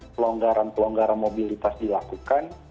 pelonggaran pelonggaran mobilitas dilakukan